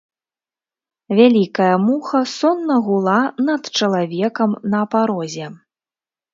Вялікая муха сонна гула над чалавекам на парозе.